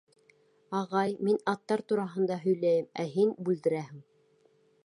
— Ағай, мин аттар тураһында һөйләйем, ә һин бүлдерәһең.